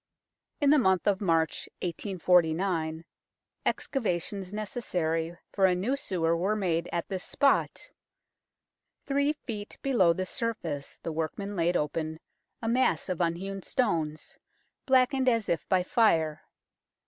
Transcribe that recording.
In the month of March, 1849, excavations necessary for a new sewer were made at this spot. Three feet below the surface the workmen laid open a mass of unhewn stones, blackened as if by fire.